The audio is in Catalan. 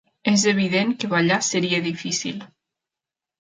És evident que ballar seria difícil.